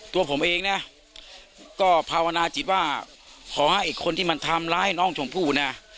ตัวผมเองนะก็ภาวนาจิตว่าขอให้คนที่มันทำร้ายน้องชมพู่นะ